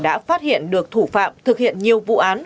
đã phát hiện được thủ phạm thực hiện nhiều vụ án